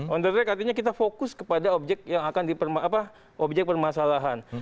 on the track artinya kita fokus kepada objek yang akan dipermasalahan